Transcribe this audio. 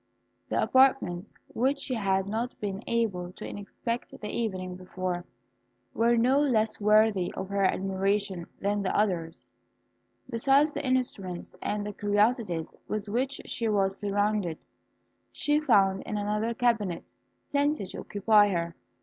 The apartments which she had not been able to inspect the evening before, were no less worthy of her admiration than the others. Besides the instruments and curiosities with which she was surrounded, she found in another cabinet plenty to occupy her.